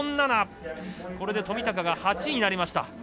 これで冨高が８位になりました。